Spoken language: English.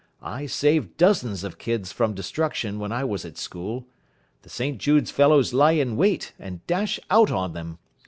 I saved dozens of kids from destruction when I was at school. The St Jude's fellows lie in wait, and dash out on them.